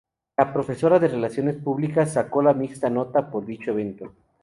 La profesora de Relaciones Públicas sacó la máxima nota por dicho evento.